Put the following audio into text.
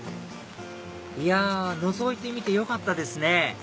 いやのぞいてみてよかったですね